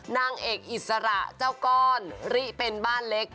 นางเอกอิสระเจ้าก้อนริเป็นบ้านเล็ก